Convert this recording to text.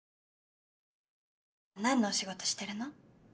何のお仕事してるの？